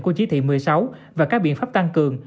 của chỉ thị một mươi sáu và các biện pháp tăng cường